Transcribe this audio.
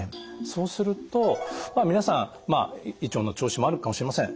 そうするとまあ皆さん胃腸の調子もあるかもしれません。